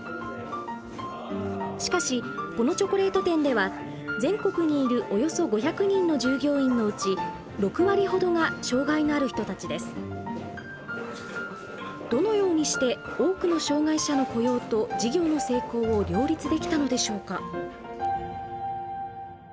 しかしこのチョコレート店では全国にいるおよそ５００人の従業員のうちどのようにして多くの障害者の雇用と事業の成功を両立できたのでしょうか。